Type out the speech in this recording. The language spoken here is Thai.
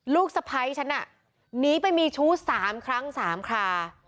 สะพ้ายฉันน่ะหนีไปมีชู้๓ครั้ง๓ครา